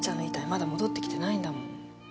まだ戻ってきてないんだもん。